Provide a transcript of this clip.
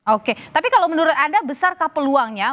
oke tapi kalau menurut anda besarkah peluangnya